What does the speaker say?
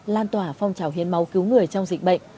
lan tỏa phong trào hiến máu cứu người trong dịch bệnh